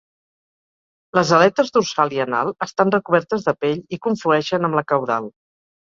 Les aletes dorsal i anal estan recobertes de pell i conflueixen amb la caudal.